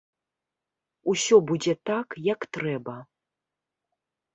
Усё будзе так, як трэба.